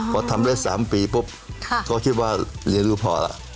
พอทำได้๓ปีปุ๊บก็คิดว่าเรียนรู้พอแล้ว